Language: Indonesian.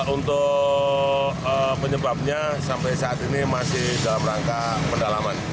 untuk penyebabnya sampai saat ini masih dalam rangka pendalaman